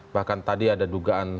bahkan tadi ada dugaan